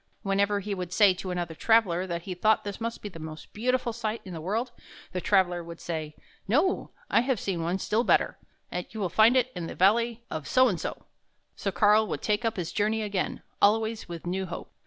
Whenever he would say to another traveler that he thought this must be the most beautiful sight in the world, the traveler would say: " No. I have seen one still better ; you will find it in the Valley of So and so." So Karl would take up his journey again, always with new hope.